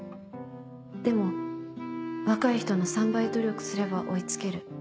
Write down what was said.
でも若い人の３倍努力すれば追い付ける。